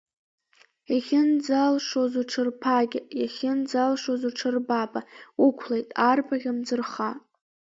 Иахьынӡалшоз уҽырԥагьа, иахьынӡалшоз уҽырбаба, уқәлеит, арбаӷь, амӡырха.